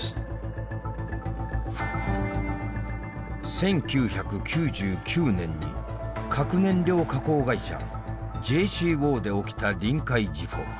１９９９年に核燃料加工会社ＪＣＯで起きた臨界事故。